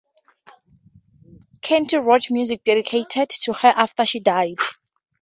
Keith wrote music dedicated to her after she died.